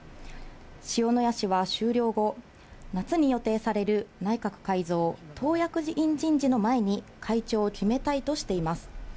塩谷氏は終了後、夏に予定される内閣改造・党役員人事の前に会長を決めたいとしています。